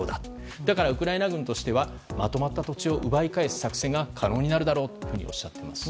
だからウクライナ軍としてはまとまった土地を奪い返す作戦が可能になるだろうとおっしゃっています。